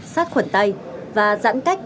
sát khuẩn tay và giãn cách